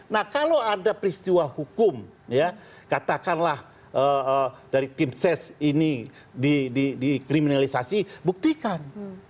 nah kalau ada peristiwa hukum ya katakanlah dari tim ses ini dikriminalisasi buktikan